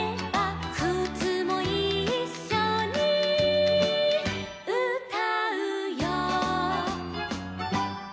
「くつもいっしょにうたうよ」